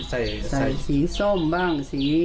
ใสสีส้มบ้าง